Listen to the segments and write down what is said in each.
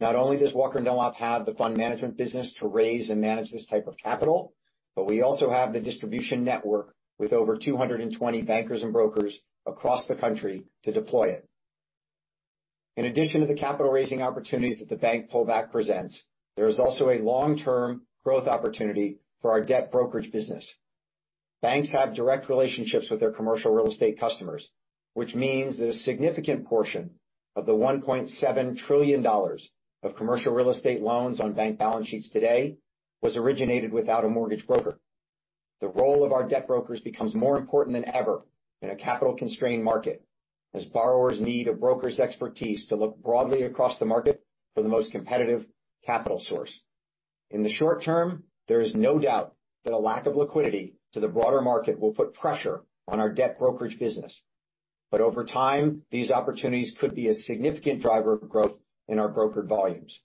Not only does Walker & Dunlop have the fund management business to raise and manage this type of capital, but we also have the distribution network with over 220 bankers and brokers across the country to deploy it. In addition to the capital raising opportunities that the bank pullback presents, there is also a long-term growth opportunity for our debt brokerage business. Banks have direct relationships with their commercial real estate customers, which means that a significant portion of the $1.7 trillion of commercial real estate loans on bank balance sheets today was originated without a mortgage broker. The role of our debt brokers becomes more important than ever in a capital-constrained market as borrowers need a broker's expertise to look broadly across the market for the most competitive capital source. In the short term, there is no doubt that a lack of liquidity to the broader market will put pressure on our debt brokerage business. Over time, these opportunities could be a significant driver of growth in our brokered volumes.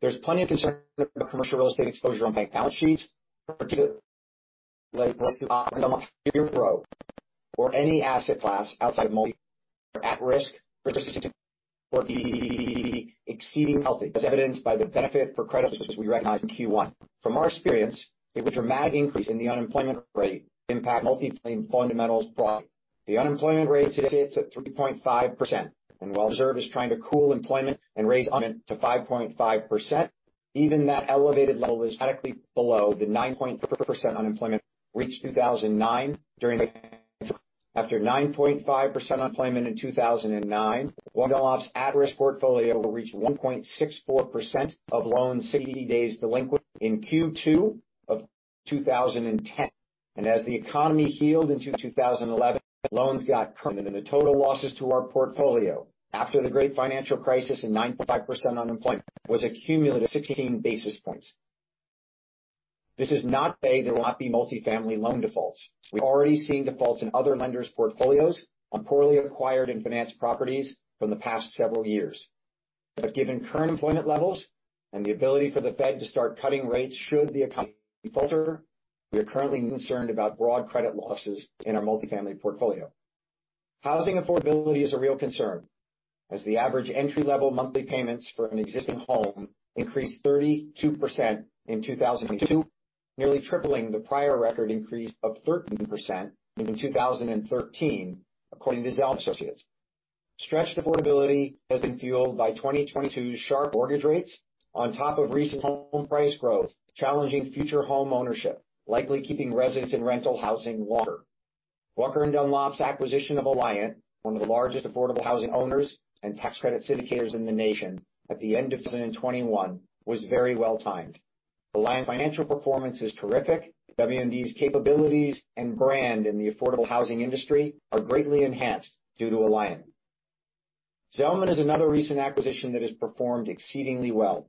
There's plenty of concern of commercial real estate exposure on bank balance sheets, particularly like Walker & Dunlop's or any asset class outside of multi-family are at risk for existing or exceeding healthy, as evidenced by the benefit for credit we recognized in Q1. From our experience, it was a dramatic increase in the unemployment rate impact multifamily fundamentals broadly. The unemployment rate today sits at 3.5%. While Reserve is trying to cool employment and raise unemployment to 5.5%, even that elevated level is radically below the 9.4% unemployment reached in 2009 during the pandemic. After 9.5% unemployment in 2009, Walker & Dunlop's at-risk portfolio will reach 1.64% of loans 60 days delinquent in Q2 of 2010. As the economy healed into 2011, loans got current, and the total losses to our portfolio after the great financial crisis and 9.5% unemployment was accumulated 16 basis points. This is not to say there will not be multifamily loan defaults. We're already seeing defaults in other lenders' portfolios on poorly acquired and financed properties from the past several years. Given current employment levels and the ability for the Fed to start cutting rates should the economy falter, we are currently concerned about broad credit losses in our multifamily portfolio. Housing affordability is a real concern as the average entry-level monthly payments for an existing home increased 32% in 2022, nearly tripling the prior record increase of 13% in 2013, according to Zelman & Associates. Stretched affordability has been fueled by 2022's sharp mortgage rates on top of recent home price growth, challenging future homeownership, likely keeping residents in rental housing longer. Walker & Dunlop's acquisition of Alliant, one of the largest affordable housing owners and tax credit syndicators in the nation at the end of 2021, was very well-timed. Alliant's Financial Performance is terrific. W&D's capabilities and brand in the affordable housing industry are greatly enhanced due to Alliant. Zelman is another recent acquisition that has performed exceedingly well.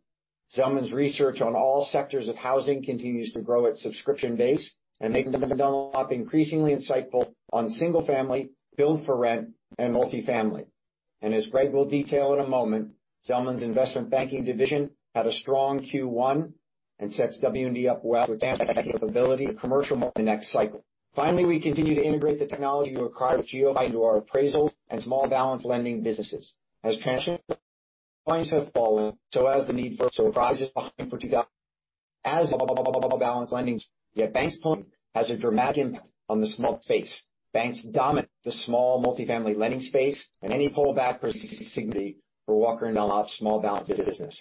Zelman's research on all sectors of housing continues to grow its subscription base and making Walker & Dunlop increasingly insightful on single family, build-for-rent, and multifamily. As Steve will detail in a moment, Zelman's Investment Banking Division had a strong Q1 and sets W&D up well to advance that capability to commercial in the next cycle. Finally, we continue to integrate the technology we acquired with GeoPhy into our appraisal and small balance lending businesses. As transaction points have fallen, so needs surprises behind for balancedsignificant lending. Yet banks point has a dramatic impact on the small space. Banks dominate the small multifamily lending space, and any pullback significantly for Walker & Dunlop's small balance business.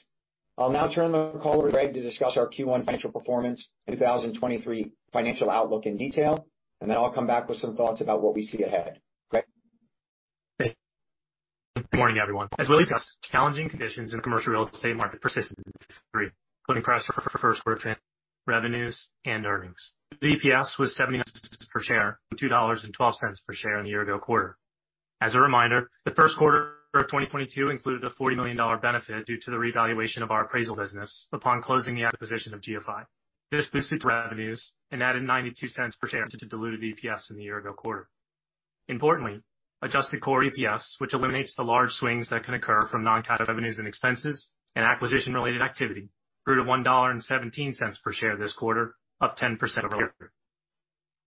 I'll now turn the call over to Steve to discuss our Q1 Financial Performance, 2023 Financial outlook in detail. I'll come back with some thoughts about what we see ahead. Steve? Hey. Good morning, everyone. As Willy discussed, challenging conditions in the commercial real estate market persisted in Q3, putting pressure on first quarter revenues and earnings. The EPS was $0.79 per share from $2.12 per share in the year ago quarter. As a reminder, the first quarter of 2022 included a $40 million benefit due to the revaluation of our appraisal business upon closing the acquisition of GeoPhy. This boosted revenues and added $0.92 per share to diluted EPS in the year ago quarter. Importantly, adjusted core EPS, which eliminates the large swings that can occur from non-cash revenues and expenses and acquisition-related activity, grew to $1.17 per share this quarter, up 10% over last year.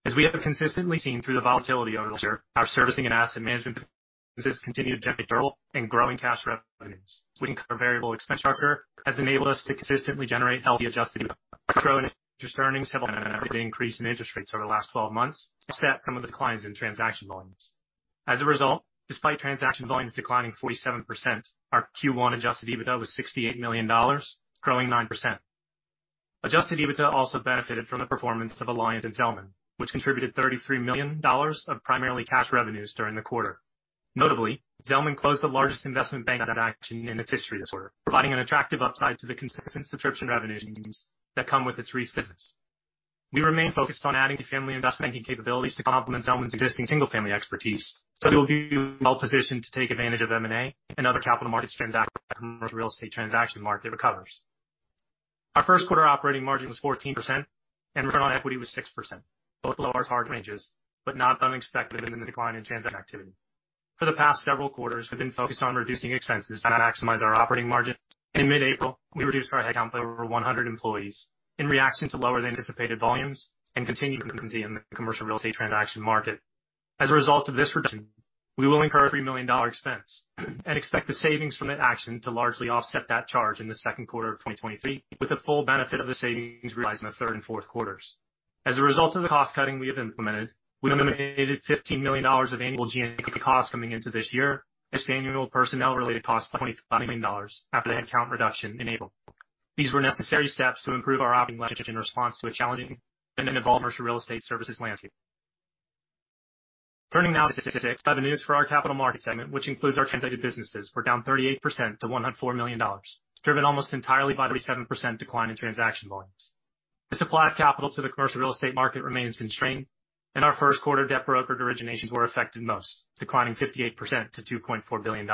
As we have consistently seen through the volatility over the year, our servicing and asset management businesses continue to generate durable and growing cash revenues. We think our variable expense structure has enabled us to consistently generate healthy adjusted EBITDA. Interest earnings have increased in interest rates over the last 12 months to offset some of the declines in transaction volumes. As a result, despite transaction volumes declining 47%, our Q1 adjusted EBITDA was $68 million, growing 9%. Adjusted EBITDA also benefited from the performance of Alliant and Zelman, which contributed $33 million of primarily cash revenues during the quarter. Notably, Zelman closed the largest investment bank transaction in its history this quarter, providing an attractive upside to the consistent subscription revenues that come with its REIS business. We remain focused on adding to family investment banking capabilities to complement Zelman's existing single-family expertise, so we will be well-positioned to take advantage of M&A and other capital markets transactions as the commercial real estate transaction market recovers. Our first quarter operating margin was 14% and return on equity was 6%, both below our target ranges, but not unexpected given the decline in transaction activity. For the past several quarters, we've been focused on reducing expenses to maximize our operating margin. In mid-April, we reduced our headcount by over 100 employees in reaction to lower than anticipated volumes and continued commercial real estate transaction market. As a result of this reduction, we will incur a $3 million expense and expect the savings from that action to largely offset that charge in the second quarter of 2023, with the full benefit of the savings realized in the third and fourth quarters. As a result of the cost-cutting we have implemented, we eliminated $15 million of annual G&A costs coming into this year, annual personnel-related costs by $25 million after the headcount reduction enabled. These were necessary steps to improve our operating budget in response to a challenging commercial real estate services landscape. Turning now to revenues for our capital market segment, which includes our translated businesses, were down 38% to $104 million, driven almost entirely by the 37% decline in transaction volumes. The supply of capital to the commercial real estate market remains constrained, and our first quarter debt brokered originations were affected, most declining 58% to $2.4 billion.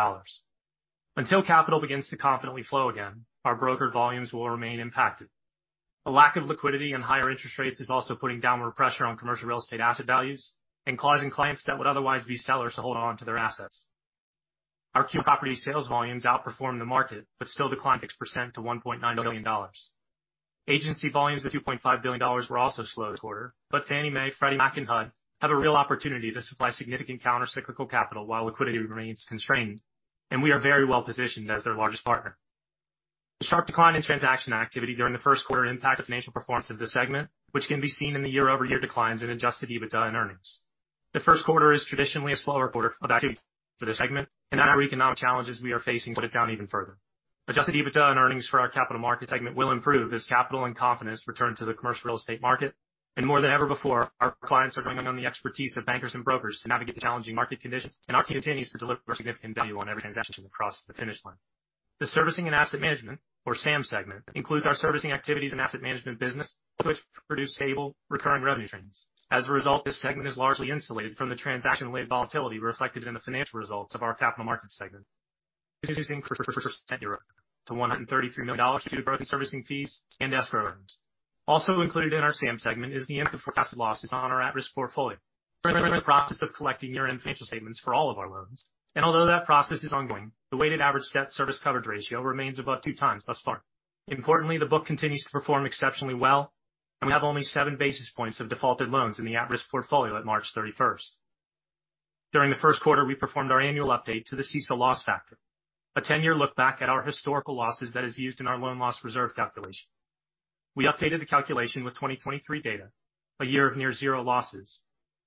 Until capital begins to confidently flow again, our brokered volumes will remain impacted. A lack of liquidity and higher interest rates is also putting downward pressure on commercial real estate asset values and causing clients that would otherwise be sellers to hold on to their assets. Our Q property sales volumes outperformed the market but still declined 6% to $1.9 billion. Agency volumes of $2.5 billion were also slow this quarter. Fannie Mae, Freddie Mac, and HUD have a real opportunity to supply significant counter-cyclical capital while liquidity remains constrained, and we are very well positioned as their largest partner. The sharp decline in transaction activity during the first quarter impact the financial performance of the segment, which can be seen in the year-over-year declines in adjusted EBITDA and earnings. The first quarter is traditionally a slower quarter for this segment, and our economic challenges we are facing put it down even further. Adjusted EBITDA and earnings for our Capital Markets segment will improve as capital and confidence return to the commercial real estate market. More than ever before, our clients are going on the expertise of bankers and brokers to navigate the challenging market conditions, and our team continues to deliver significant value on every transaction across the finish line. The servicing and asset management or SAM segment includes our servicing activities and asset management business, which produce stable recurring revenue trends. This segment is largely insulated from the transaction-related volatility reflected in the financial results of our capital market segment. To $133 million due to growth in servicing fees and escrow earnings. Also included in our SAM segment is the input for asset losses on our at-risk portfolio. We're in the process of collecting year-end financial statements for all of our loans, and although that process is ongoing, the weighted average debt service coverage ratio remains above two times thus far. Importantly, the book continues to perform exceptionally well, and we have only seven basis points of defaulted loans in the at-risk portfolio at March 31. During the first quarter, we performed our annual update to the CECL loss factor, a 10-year look back at our historical losses that is used in our loan loss reserve calculation. We updated the calculation with 2023 data, a year of near zero losses,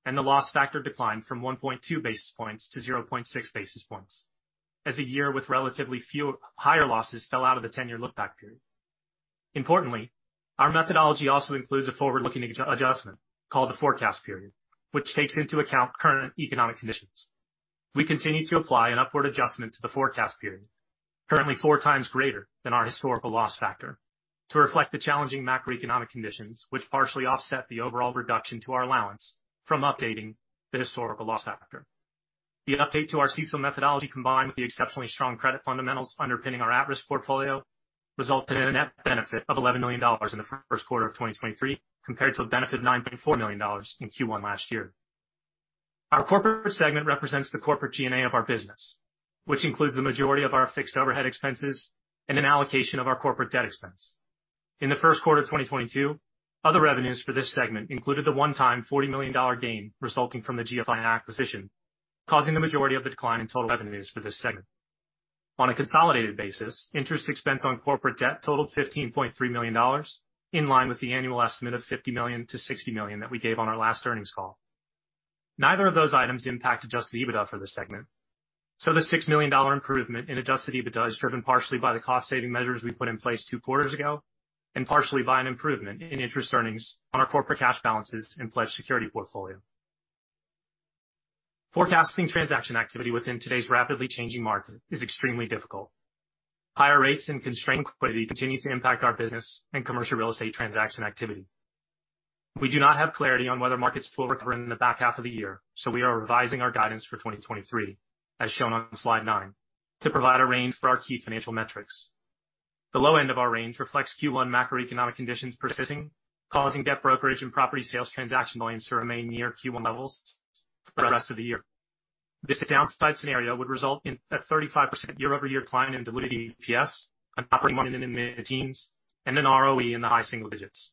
and the loss factor declined from 1.2 basis points to 0.6 basis points as a year with relatively few higher losses fell out of the 10-year look back period. Importantly, our methodology also includes a forward-looking adjustment called the forecast period, which takes into account current economic conditions. We continue to apply an upward adjustment to the forecast period, currently four times greater than our historical loss factor, to reflect the challenging macroeconomic conditions, which partially offset the overall reduction to our allowance from updating the historical loss factor. The update to our CECL methodology, combined with the exceptionally strong credit fundamentals underpinning our at-risk portfolio, resulted in a net benefit of $11 million in the first quarter of 2023, compared to a benefit of $9.4 million in Q1 last year. Our corporate segment represents the corporate G&A of our business, which includes the majority of our fixed overhead expenses and an allocation of our corporate debt expense. In the first quarter of 2022, other revenues for this segment included the one-time $40 million gain resulting from the GFI acquisition, causing the majority of the decline in total revenues for this segment. On a consolidated basis, interest expense on corporate debt totaled $15.3 million, in line with the annual estimate of $50-60 million that we gave on our last earnings call. Neither of those items impact adjusted EBITDA for this segment, so the $6 million improvement in adjusted EBITDA is driven partially by the cost-saving measures we put in place two quarters ago and partially by an improvement in interest earnings on our corporate cash balances and pledged security portfolio. Forecasting transaction activity within today's rapidly changing market is extremely difficult. Higher rates and constrained liquidity continue to impact our business and commercial real estate transaction activity. We do not have clarity on whether markets will recover in the back half of the year, so we are revising our guidance for 2023, as shown on slide 9, to provide a range for our key financial metrics. The low end of our range reflects Q1 macroeconomic conditions persisting, causing debt brokerage and property sales transaction volumes to remain near Q1 levels for the rest of the year. This downside scenario would result in a 35% year-over-year decline in diluted EPS and operating margin in the mid-teens and an ROE in the high single digits.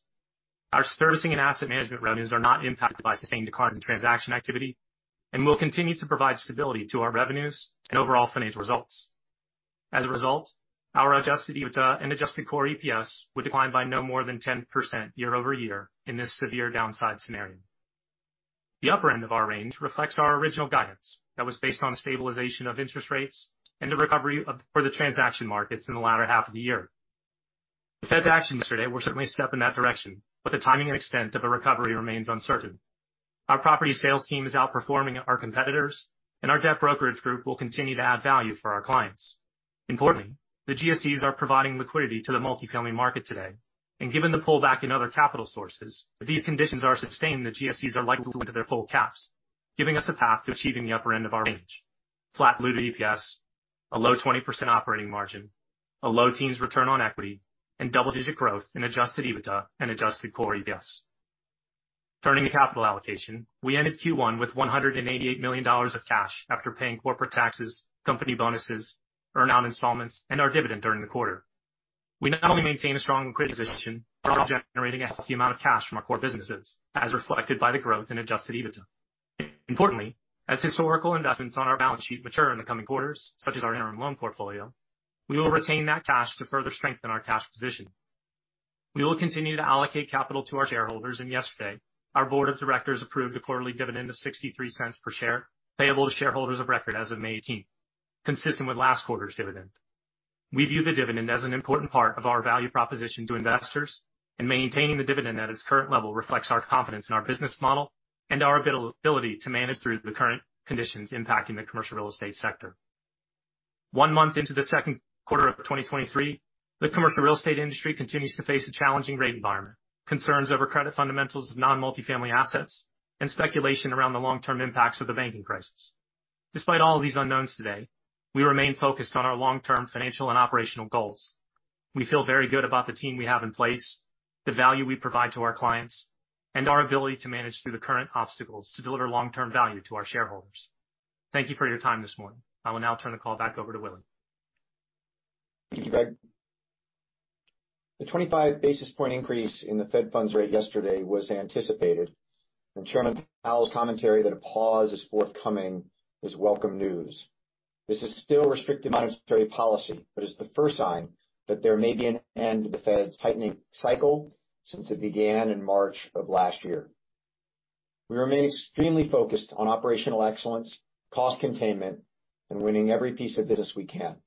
Our servicing and asset management revenues are not impacted by sustained declines in transaction activity and will continue to provide stability to our revenues and overall financial results. Our adjusted EBITDA and adjusted core EPS would decline by no more than 10% year-over-year in this severe downside scenario. The upper end of our range reflects our original guidance that was based on a stabilization of interest rates and the recovery of for the transaction markets in the latter half of the year. The Fed's actions yesterday were certainly a step in that direction, the timing and extent of a recovery remains uncertain. Our property sales team is outperforming our competitors, and our debt brokerage group will continue to add value for our clients. Importantly, the GSEs are providing liquidity to the multifamily market today, and given the pullback in other capital sources, if these conditions are sustained, the GSEs are likely to their full caps, giving us a path to achieving the upper end of our range. Flat diluted EPS, a low 20% operating margin, a low teens return on equity, and double-digit growth in adjusted EBITDA and adjusted core EPS. Turning to capital allocation. We ended Q1 with $188 million of cash after paying corporate taxes, company bonuses, earn out installments, and our dividend during the quarter. We not only maintain a strong credit position, but also generating a healthy amount of cash from our core businesses as reflected by the growth in adjusted EBITDA. Importantly, as historical investments on our balance sheet mature in the coming quarters, such as our interim loan portfolio, we will retain that cash to further strengthen our cash position. We will continue to allocate capital to our shareholders, and yesterday, our board of directors approved a quarterly dividend of $0.63 per share payable to shareholders of record as of May 18, consistent with last quarter's dividend. We view the dividend as an important part of our value proposition to investors, and maintaining the dividend at its current level reflects our confidence in our business model and our ability to manage through the current conditions impacting the commercial real estate sector. One month into the second quarter of 2023, the commercial real estate industry continues to face a challenging rate environment, concerns over credit fundamentals of non-multifamily assets, and speculation around the long-term impacts of the banking crisis. Despite all of these unknowns today, we remain focused on our long-term financial and operational goals. We feel very good about the team we have in place, the value we provide to our clients, and our ability to manage through the current obstacles to deliver long-term value to our shareholders. Thank you for your time this morning. I will now turn the call back over to Willy. Thank you, Steve. The 25 basis point increase in the Fed funds rate yesterday was anticipated, and Chairman Powell's commentary that a pause is forthcoming is welcome news. This is still restricted monetary policy, but it's the first sign that there may be an end to the Fed's tightening cycle since it began in March of last year. We remain extremely focused on operational excellence, cost containment, and winning every piece of business we can.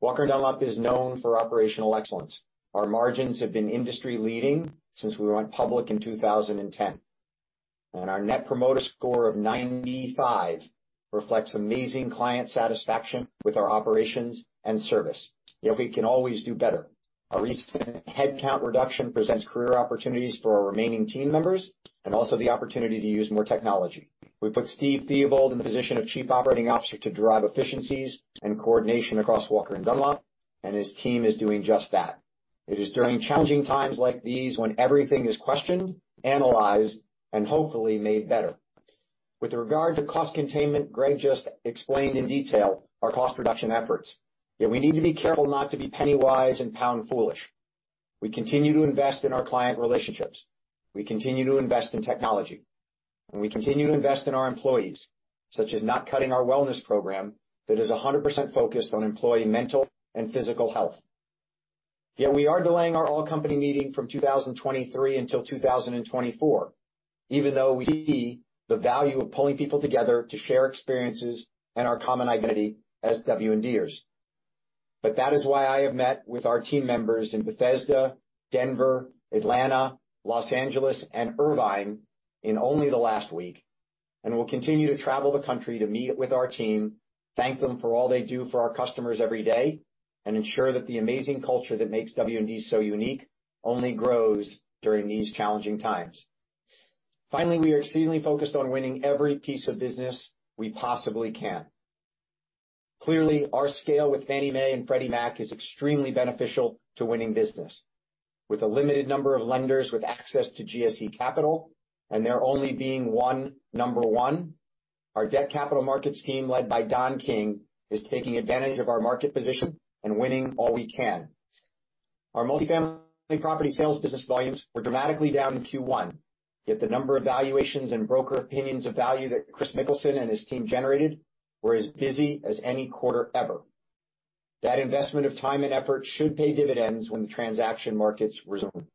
Walker & Dunlop is known for operational excellence. Our margins have been industry-leading since we went public in 2010. Our Net Promoter Score of 95 reflects amazing client satisfaction with our operations and service, yet we can always do better. Our recent headcount reduction presents career opportunities for our remaining team members and also the opportunity to use more technology. We put Steve Theobald in the position of Chief Operating Officer to drive efficiencies and coordination across Walker & Dunlop, and his team is doing just that. It is during challenging times like these when everything is questioned, analyzed, and hopefully made better. With regard to cost containment, Steve just explained in detail our cost reduction efforts, yet we need to be careful not to be penny wise and pound foolish. We continue to invest in our client relationships, we continue to invest in technology, and we continue to invest in our employees, such as not cutting our wellness program that is 100% focused on employee mental and physical health. We are delaying our all-company meeting from 2023 until 2024, even though we see the value of pulling people together to share experiences and our common identity as W&Ders. That is why I have met with our team members in Bethesda, Denver, Atlanta, Los Angeles, and Irvine in only the last week, and will continue to travel the country to meet with our team, thank them for all they do for our customers every day, and ensure that the amazing culture that makes W&D so unique only grows during these challenging times. Finally, we are exceedingly focused on winning every piece of business we possibly can. Clearly, our scale with Fannie Mae and Freddie Mac is extremely beneficial to winning business. With a limited number of lenders with access to GSE Capital and there only being one number one, our debt capital markets team, led by Don King, is taking advantage of our market position and winning all we can. Our multifamily property sales business volumes were dramatically down in Q1, yet the number of valuations and Broker Opinion of Value that Kris Mikkelsen and his team generated were as busy as any quarter ever. That investment of time and effort should pay dividends when the transaction markets resume.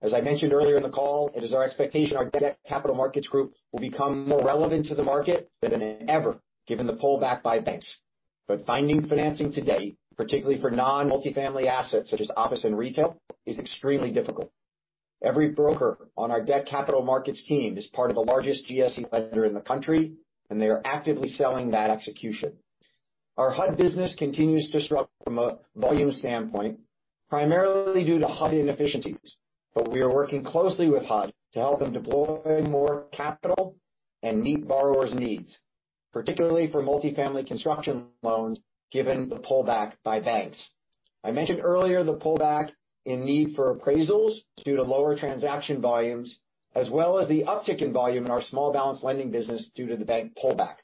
As I mentioned earlier in the call, it is our expectation our debt capital markets group will become more relevant to the market than ever, given the pullback by banks. Finding financing today, particularly for non-multifamily assets such as office and retail, is extremely difficult. Every broker on our debt capital markets team is part of the largest GSE lender in the country, and they are actively selling that execution. Our HUD business continues to struggle from a volume standpoint, primarily due to HUD inefficiencies. We are working closely with HUD to help them deploy more capital and meet borrowers' needs, particularly for multifamily construction loans, given the pullback by banks. I mentioned earlier the pullback in need for appraisals due to lower transaction volumes, as well as the uptick in volume in our small balance lending business due to the bank pullback.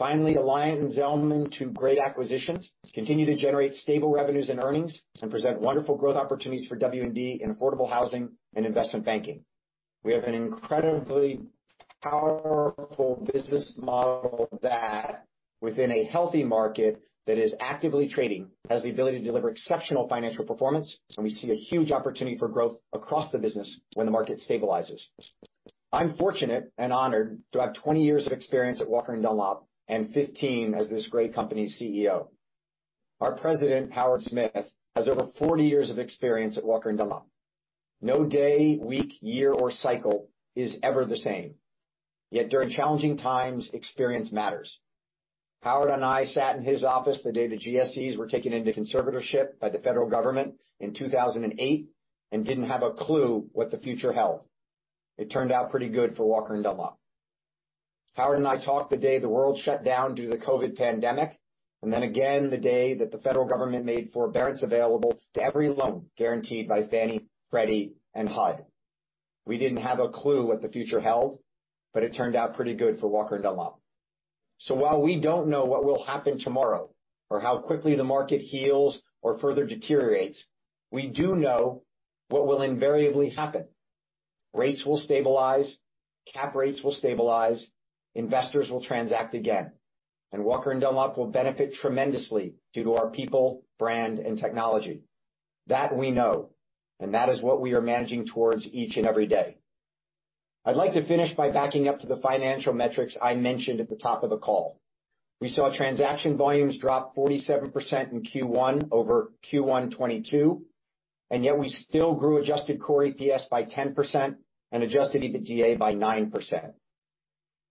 Alliant and Zelman & Associates, two great acquisitions, continue to generate stable revenues and earnings and present wonderful growth opportunities for W&D in affordable housing and investment banking. We have an incredibly powerful business model that, within a healthy market that is actively trading, has the ability to deliver exceptional financial performance. We see a huge opportunity for growth across the business when the market stabilizes. I'm fortunate and honored to have 20 years of experience at Walker & Dunlop and 15 as this great company's CEO. Our President, Howard Smith, has over 40 years of experience at Walker & Dunlop. No day, week, year, or cycle is ever the same. During challenging times, experience matters. Howard and I sat in his office the day the GSEs were taken into conservatorship by the Federal government in 2008 and didn't have a clue what the future held. It turned out pretty good for Walker & Dunlop. Howard and I talked the day the world shut down due to the COVID pandemic, then again the day that the Federal government made forbearance available to every loan guaranteed by Fannie, Freddie, and HUD. We didn't have a clue what the future held, it turned out pretty good for Walker & Dunlop. While we don't know what will happen tomorrow or how quickly the market heals or further deteriorates, we do know what will invariably happen. Rates will stabilize, cap rates will stabilize, investors will transact again, and Walker & Dunlop will benefit tremendously due to our people, brand, and technology. That we know, and that is what we are managing towards each and every day. I'd like to finish by backing up to the financial metrics I mentioned at the top of the call. We saw transaction volumes drop 47% in Q1 over Q1 2022, and yet we still grew adjusted core EPS by 10% and adjusted EBITDA by 9%.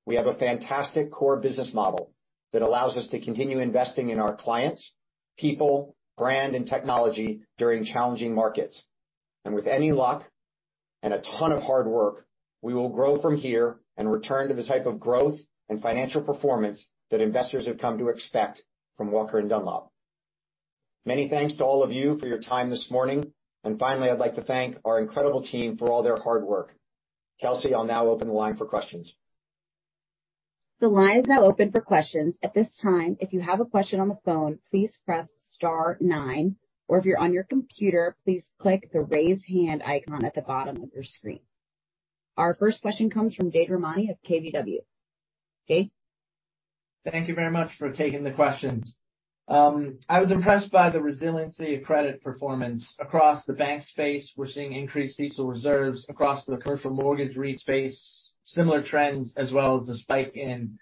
We have a fantastic core business model that allows us to continue investing in our clients, people, brand, and technology during challenging markets. With any luck and a ton of hard work, we will grow from here and return to the type of growth and financial performance that investors have come to expect from Walker & Dunlop. Many thanks to all of you for your time this morning. Finally, I'd like to thank our incredible team for all their hard work. Kelsey, I'll now open the line for questions. The line is now open for questions. At this time, if you have a question on the phone, please press star nine. If you're on your computer, please click the Raise Hand icon at the bottom of your screen. Our first question comes from Jade Rahmani of KBW. Jade? Thank you very much for taking the questions. I was impressed by the resiliency of credit performance. Across the bank space, we're seeing increased CECL reserves. Across the commercial mortgage REIT space, similar trends, as well as a spike in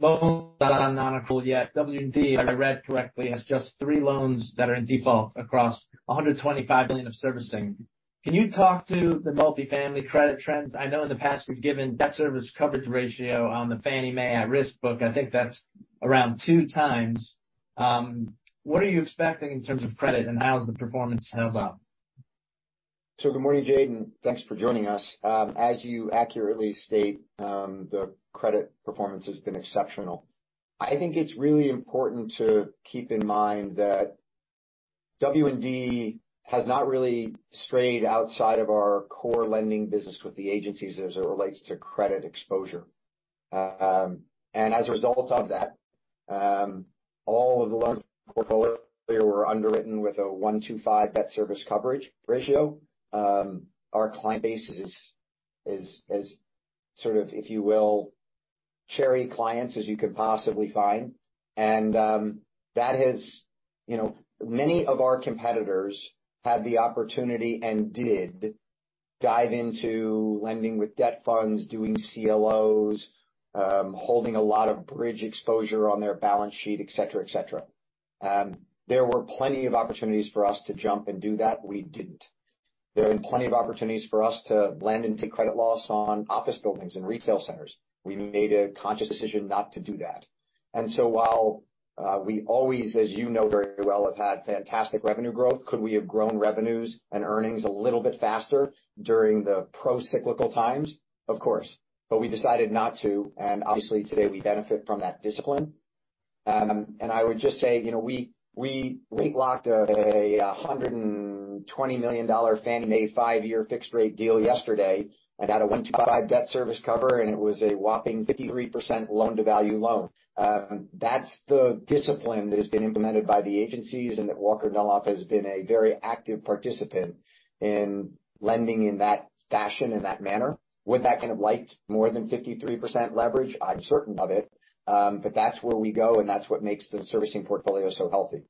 loans that are non-accrual yet. W&D, if I read correctly, has just three loans that are in default across $125 billion of servicing. Can you talk to the multifamily credit trends? I know in the past you've given debt service coverage ratio on the Fannie Mae at-risk book. I think that's around 2 times. What are you expecting in terms of credit, and how's the performance held up? Good morning, Jade, and thanks for joining us. As you accurately state, the credit performance has been exceptional. I think it's really important to keep in mind that W&D has not really strayed outside of our core lending business with the agencies as it relates to credit exposure. As a result of that, all of the loans in the portfolio were underwritten with a 1-to-5 debt service coverage ratio. Our client base is sort of, if you will, cherry clients as you could possibly find. That has... You know, many of our competitors had the opportunity and did dive into lending with debt funds, doing CLOs, holding a lot of bridge exposure on their balance sheet, et cetera, et cetera. There were plenty of opportunities for us to jump and do that. We didn't. There have been plenty of opportunities for us to lend and take credit loss on office buildings and retail centers. We made a conscious decision not to do that. While we always, as you know very well, have had fantastic revenue growth, could we have grown revenues and earnings a little bit faster during the pro-cyclical times? Of course. We decided not to, and obviously, today we benefit from that discipline. I would just say, you know, we rate locked a $120 million Fannie Mae five-year fixed rate deal yesterday and had a one-to-five debt service cover, and it was a whopping 53% loan-to-value loan. That's the discipline that has been implemented by the agencies, and that Walker & Dunlop has been a very active participant in lending in that fashion, in that manner. Would that kind of liked more than 53% leverage? I'm certain of it. That's where we go, and that's what makes the servicing portfolio so healthy.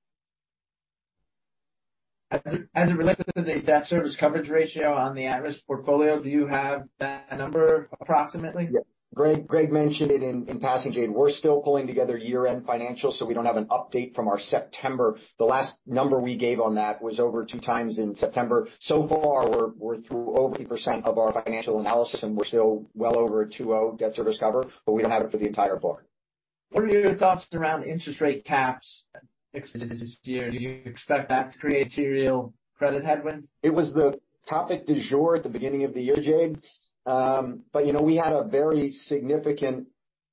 As it relates to the debt service coverage ratio on the at-risk portfolio, do you have that number approximately? Yeah. Steve mentioned it in passing, Jade. We're still pulling together year-end financials, we don't have an update from our September. The last number we gave on that was over two times in September. So far, we're through over 80% of our financial analysis, we're still well over a 2.0 debt service cover, we don't have it for the entire book. What are your thoughts around interest rate caps fixes this year? Do you expect that to create a real credit headwind? It was the topic du jour at the beginning of the year, Jade. You know, we had a very significant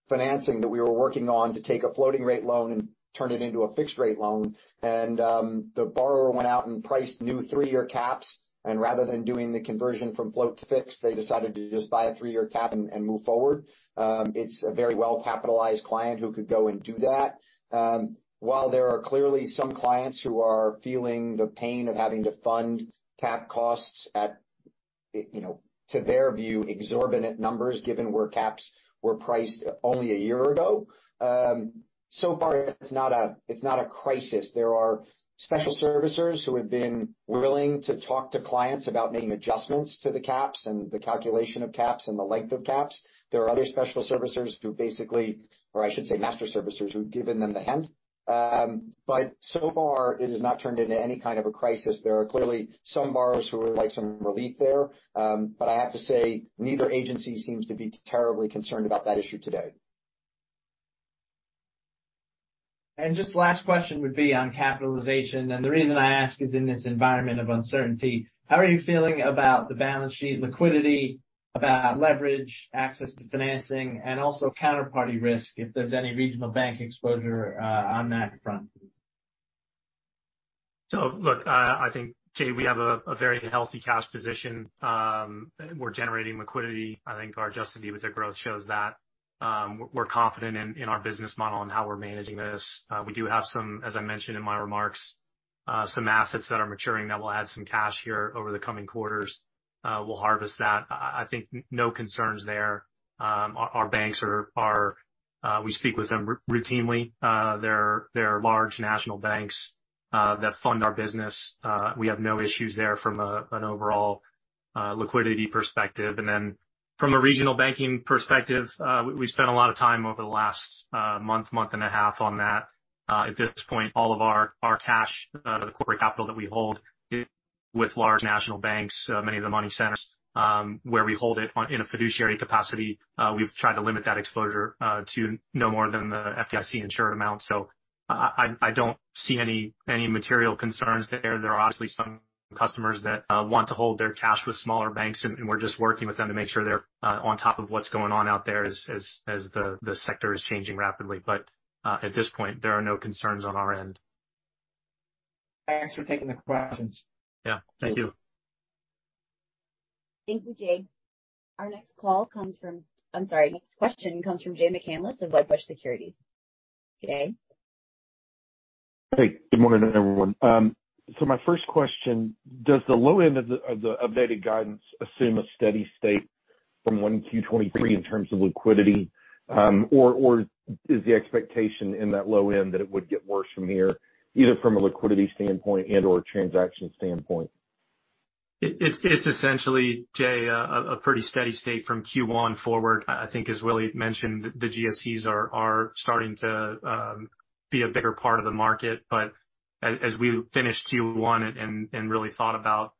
financing that we were working on to take a floating rate loan and turn it into a fixed rate loan. The borrower went out and priced new three-year caps, and rather than doing the conversion from float to fixed, they decided to just buy a three-year cap and move forward. It's a very well-capitalized client who could go and do that. While there are clearly some clients who are feeling the pain of having to fund cap costs at, you know, to their view, exorbitant numbers given where caps were priced only one year ago, so far it's not a crisis. There are special servicers who have been willing to talk to clients about making adjustments to the caps and the calculation of caps and the length of caps. There are other special servicers who basically, or I should say master servicers, who've given them the hint. So far it has not turned into any kind of a crisis. There are clearly some borrowers who would like some relief there. I have to say, neither agency seems to be terribly concerned about that issue today. Just last question would be on capitalization. The reason I ask is in this environment of uncertainty, how are you feeling about the balance sheet liquidity, about leverage, access to financing and also counterparty risk, if there's any regional bank exposure on that front? Look, I think, Jade is, we have a very healthy cash position. We're generating liquidity. I think our adjusted EBITDA growth shows that. We're confident in our business model and how we're managing this. We do have some, as I mentioned in my remarks, some assets that are maturing that will add some cash here over the coming quarters. We'll harvest that. I think no concerns there. Our banks are, we speak with them routinely. They're large national banks that fund our business. We have no issues there from an overall liquidity perspective. From a regional banking perspective, we spent a lot of time over the last month and a half on that. At this point, all of our cash, the corporate capital that we hold with large national banks, many of the money centers, where we hold it on in a fiduciary capacity, we've tried to limit that exposure to no more than the FDIC insured amount. I don't see any material concerns there. There are obviously some customers that want to hold their cash with smaller banks, and we're just working with them to make sure they're on top of what's going on out there as the sector is changing rapidly. At this point, there are no concerns on our end. Thanks for taking the questions. Yeah. Thank you. Thank you, Jade. Our next call comes from... I'm sorry, next question comes from Jay McCanless of Wedbush Securities. Jay. Hey, good morning, everyone. My first question, does the low end of the updated guidance assume a steady state from 1Q 2023 in terms of liquidity? Or is the expectation in that low end that it would get worse from here, either from a liquidity standpoint and/or a transaction standpoint? It's essentially, Jay, a pretty steady state from Q1 forward. I think as Willy mentioned, the GSEs are starting to be a bigger part of the market. As we finish Q1 and really thought about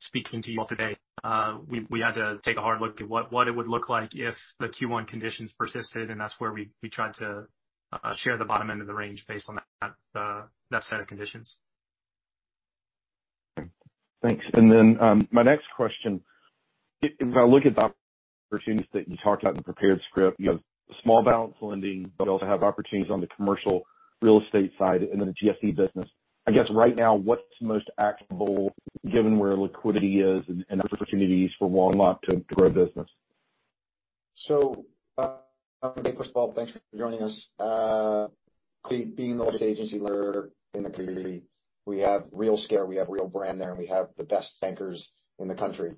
speaking to you all today, we had to take a hard look at what it would look like if the Q1 conditions persisted. That's where we tried to share the bottom end of the range based on that set of conditions. Thanks. My next question. If I look at the opportunities that you talked about in the prepared script, you have small balance lending, but you also have opportunities on the commercial real estate side and then the GSE business. I guess right now, what's most actionable given where liquidity is and opportunities for Walker & Dunlop to grow business? First of all, thanks for joining us. Being the largest agency lender in the community, we have real scale, we have real brand there, and we have the best bankers in the country.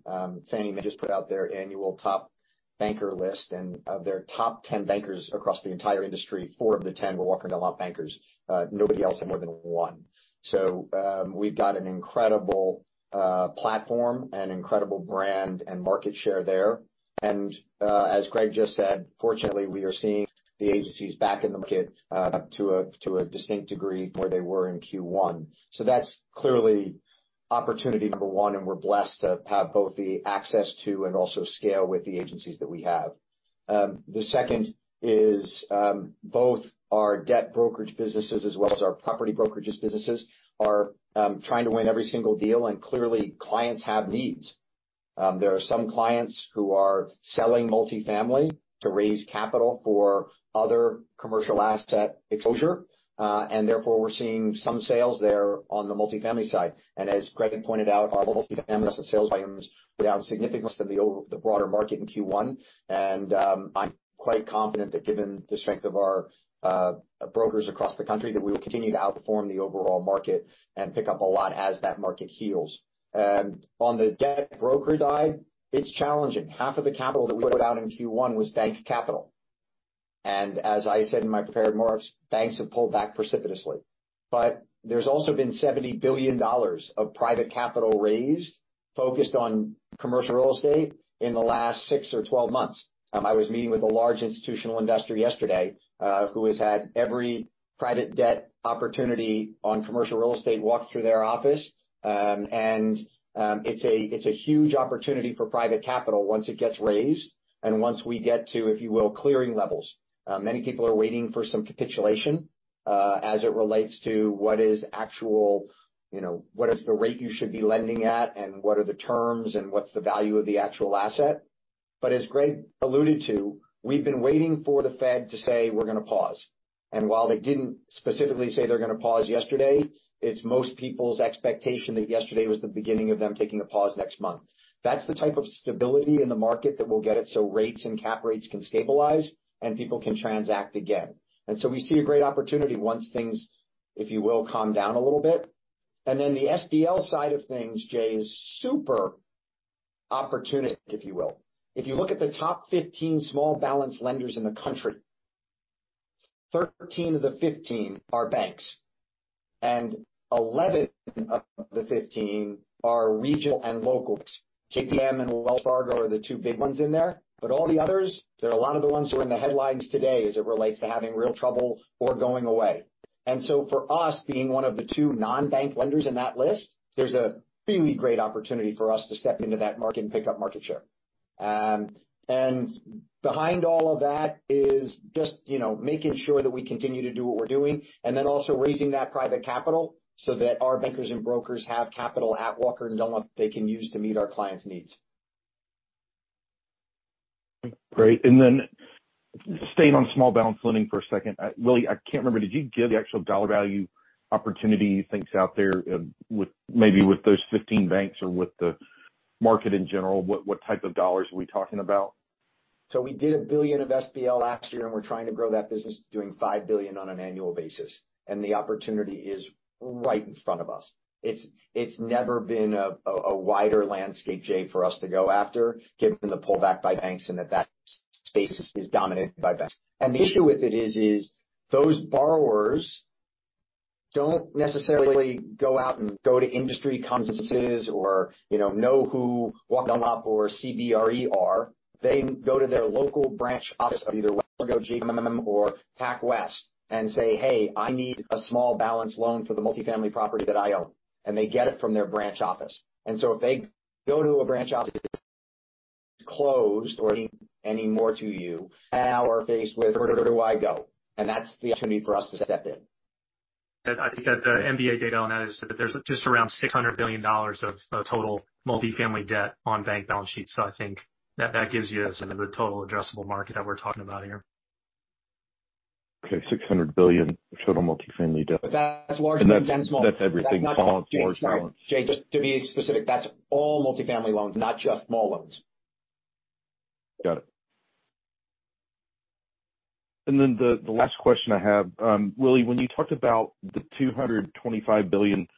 Fannie just put out their annual top banker list, and of their top 10 bankers across the entire industry, four of the 10 were Walker & Dunlop bankers. Nobody else had more than one. We've got an incredible platform and incredible brand and market share there. As Steve just said, fortunately, we are seeing the agencies back in the market to a distinct degree where they were in Q1. That's clearly opportunity number 1, and we're blessed to have both the access to and also scale with the agencies that we have. The second is, both our debt brokerage businesses as well as our property brokerages businesses are trying to win every single deal. Clearly, clients have needs. There are some clients who are selling multifamily to raise capital for other commercial asset exposure. Therefore, we're seeing some sales there on the multifamily side. As Steve pointed out, our multifamily sales volumes down significant than the broader market in Q1. I'm quite confident that given the strength of our brokers across the country, that we will continue to outperform the overall market and pick up a lot as that market heals. On the debt broker side, it's challenging. Half of the capital that we put out in Q1 was bank capital. As I said in my prepared remarks, banks have pulled back precipitously. There's also been $70 billion of private capital raised, focused on commercial real estate in the last six or 12 months. I was meeting with a large institutional investor yesterday, who has had every private debt opportunity on commercial real estate walk through their office. It's a huge opportunity for private capital once it gets raised and once we get to, if you will, clearing levels. Many people are waiting for some capitulation, as it relates to what is actual, you know, what is the rate you should be lending at and what are the terms and what's the value of the actual asset. As Steve alluded to, we've been waiting for the Fed to say, we're gonna pause. While they didn't specifically say they're gonna pause yesterday, it's most people's expectation that yesterday was the beginning of them taking a pause next month. That's the type of stability in the market that will get it so rates and cap rates can stabilize and people can transact again. We see a great opportunity once things, if you will, calm down a little bit. The SBL side of things, Jay, is super opportunistic, if you will. If you look at the top 15 small balance lenders in the country, 13 of the 15 are banks, and 11 of the 15 are regional and locals. JPM and Wells Fargo are the two big ones in there, but all the others, there are a lot of the ones who are in the headlines today as it relates to having real trouble or going away. For us, being one of the two non-bank lenders in that list, there's a really great opportunity for us to step into that market and pick up market share. Behind all of that is just, you know, making sure that we continue to do what we're doing, and then also raising that private capital so that our bankers and brokers have capital at Walker & Dunlop they can use to meet our clients' needs. Great. Then staying on small balance lending for a second. Willy, I can't remember, did you give the actual dollar value opportunity you think is out there with, maybe with those 15 banks or with the market in general? What type of dollars are we talking about? We did $1 billion of SBL last year, and we're trying to grow that business to doing $5 billion on an annual basis. The opportunity is right in front of us. It's never been a wider landscape, Jay, for us to go after given the pullback by banks and that space is dominated by banks. The issue with it is, those borrowers don't necessarily go out and go to industry conferences or, you know who Walker & Dunlop or CBRE are. They go to their local branch office of either Wells Fargo, GNMA or PacWest and say, "Hey, I need a small balance loan for the multifamily property that I own." They get it from their branch office. If they go to a branch office that's closed or any more to you, now are faced with, Where do I go? That's the opportunity for us to step in. I think that the MBA data on that is that there's just around $600 billion of total multifamily debt on bank balance sheets. I think that gives you the sort of the total adjustable market that we're talking about here. Okay, $600 billion total multifamily debt. That's large- That's everything, bonds, large bonds. Jay, just to be specific, that's all multifamily loans, not just small loans. Got it. The last question I have. Willy, when you talked about the $225 billion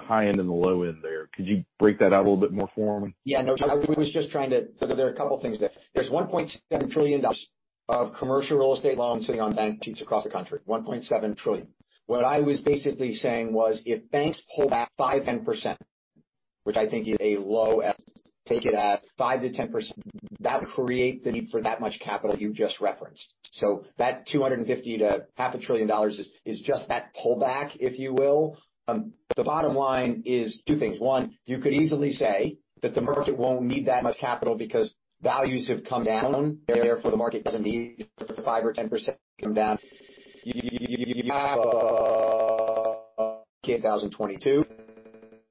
high end and the low end there? Could you break that out a little bit more for me? There are a couple of things there. There's $1.7 trillion of commercial real estate loans sitting on bank sheets across the country, $1.7 trillion. What I was basically saying was if banks pull back 5%, 10%, which I think is a low estimate, take it at 5%-10%, that would create the need for that much capital you just referenced. That $250 to half a trillion dollars is just that pullback, if you will. The bottom line is two things. One, you could easily say that the market won't need that much capital because values have come down. Therefore, the market doesn't need for 5% or 10% to come down. You have 2022,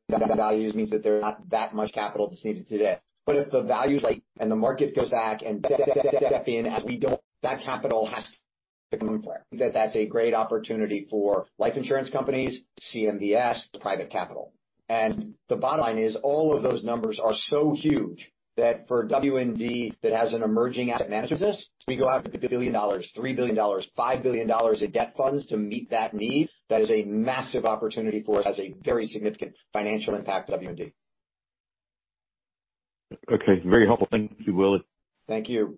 that values means that there's not that much capital to see today. If the values and the market goes back and step in as we don't, that capital has to come from. That's a great opportunity for life insurance companies, CMBS, private capital. The bottom line is all of those numbers are so huge that for WD that has an emerging asset management business, we go after $2 billion, $3 billion, $5 billion of debt funds to meet that need. That is a massive opportunity for us, has a very significant financial impact to WD. Okay. Very helpful. Thank you, Willy. Thank you.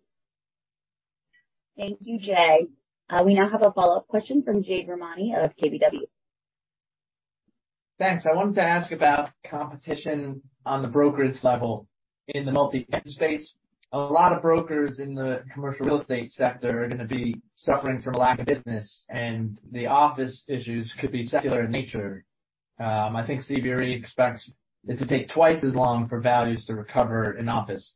Thank you, Jay. We now have a follow-up question from Jade Rahmani of KBW. Thanks. I wanted to ask about competition on the brokerage level in the multifamily space. A lot of brokers in the commercial real estate sector are gonna be suffering from a lack of business, and the office issues could be secular in nature. I think CBRE expects it to take twice as long for values to recover in office.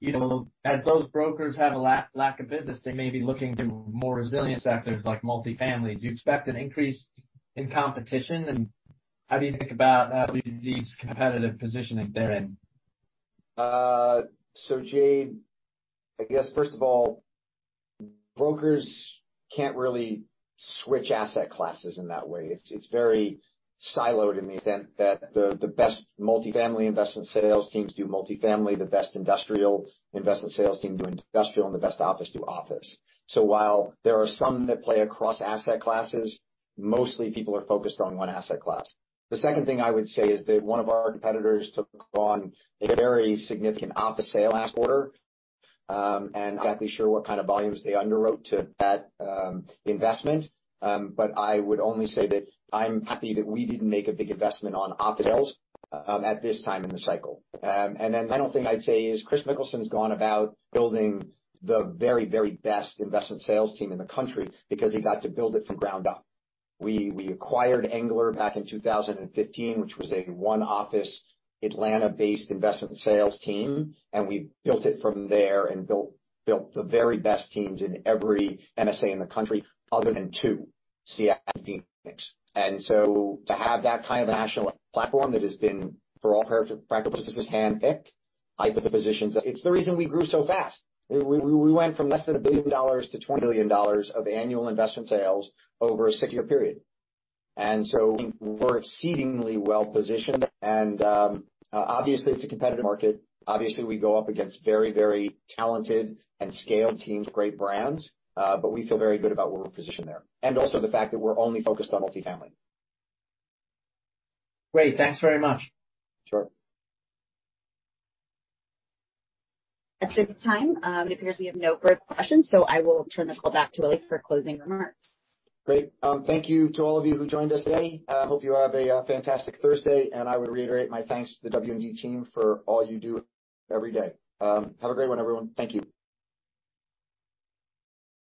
You know, as those brokers have a lack of business, they may be looking to more resilient sectors like multifamily. Do you expect an increase in competition, and how do you think about W&D's competitive position that they're in? Jade, I guess first of all, brokers can't really switch asset classes in that way. It's very siloed in the extent that the best multifamily investment sales teams do multifamily, the best industrial investment sales team do industrial, and the best office do office. While there are some that play across asset classes, mostly people are focused on one asset class. The second thing I would say is that one of our competitors took on a very significant office sale last quarter, and exactly sure what kind of volumes they underwrote to that investment. I would only say that I'm happy that we didn't make a big investment on office sales at this time in the cycle. The final thing I'd say is Kris Mikkelsen's gone about building the very, very best investment sales team in the country because he got to build it from ground up. We acquired Engle back in 2015, which was a one-office Atlanta-based investment sales team, and we built it from there and built the very best teams in every MSA in the country other than two, CF Phoenix. To have that kind of national platform that has been, for all practical purposes, handpicked, I think it's the reason we grew so fast. We went from less than $1 billion to $20 billion of annual investment sales over a six-year period. We're exceedingly well-positioned. Obviously, it's a competitive market. Obviously, we go up against very, very talented and scaled teams, great brands, but we feel very good about where we're positioned there. Also, the fact that we're only focused on multifamily. Great. Thanks very much. Sure. At this time, it appears we have no further questions, so I will turn the call back to Willy for closing remarks. Great. Thank you to all of you who joined us today. I hope you have a fantastic Thursday, and I would reiterate my thanks to the WD team for all you do every day. Have a great one, everyone. Thank you.